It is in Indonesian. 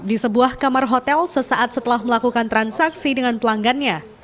di sebuah kamar hotel sesaat setelah melakukan transaksi dengan pelanggannya